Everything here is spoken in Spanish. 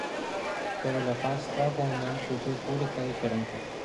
Pero la paz trajo una actitud pública diferente.